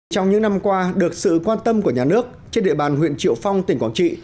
trong những năm qua được sự quan tâm của nhà nước trên địa bàn huyện triệu phong tỉnh quảng trị